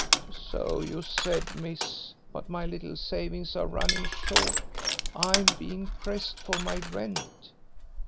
"So you said, Miss, but my little savings are running short. I'm being pressed for my rent."